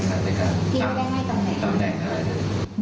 ที่รู้ได้ง่ายตำแหน่งอะไร